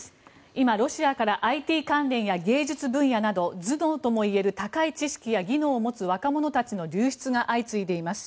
今、ロシアからＩＴ関連や芸術分野など頭脳ともいえる高い知識や頭脳を持つ若者たちの流出が相次いでいます。